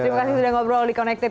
terima kasih sudah ngobrol di connected